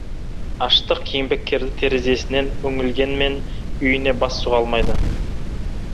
Аштық еңбеккердің терезесінен үңілгенмен, үйіне бас сұға алмайды.